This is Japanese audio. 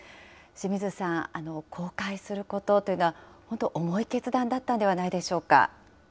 清水さん、公開することというのは、本当、重い決断だったんではないでしょうか。